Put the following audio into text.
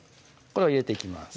これを入れていきます